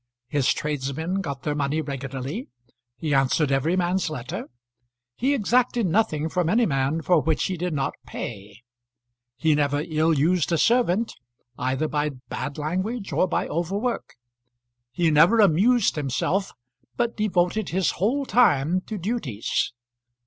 His tradesmen got their money regularly. He answered every man's letter. He exacted nothing from any man for which he did not pay. He never ill used a servant either by bad language or by over work. He never amused himself, but devoted his whole time to duties.